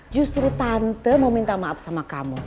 justru tante mau minta maaf sama kamu